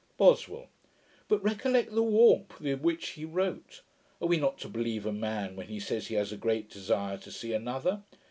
BOSWELL. 'But recollect the warmth with which he wrote. Are we not to believe a man, when he says he has a great desire to see another?